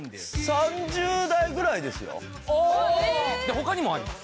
他にもあります。